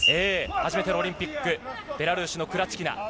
初めてのオリンピックベラルーシのクラチキナ。